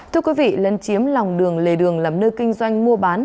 thưa quý vị lân chiếm lòng đường lề đường làm nơi kinh doanh mua bán